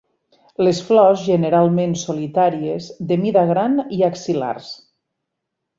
Les flors generalment solitàries, de mida gran i axil·lars.